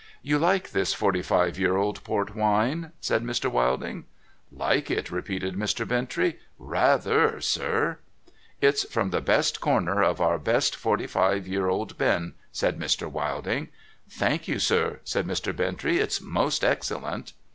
' You like this forty five year old port wine ?' said Mr. Wilding. ' Like it ?' repeated Mr. Bintrey. ' Rather, sir !'' It's from the best corner of our best forty five year old bin,' said Mr. Wilding. ' Thank you, sir,' said Mr. Bintrey. ' It's most excellent.'